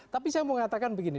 tapi saya mau mengatakan begini